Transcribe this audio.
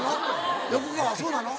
そうなの？